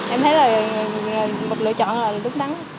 em thấy là một lựa chọn là đúng đắn